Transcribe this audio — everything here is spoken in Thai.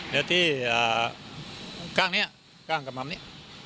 เดี๋ยวที่กล้างนี้กล้างกระมำนี้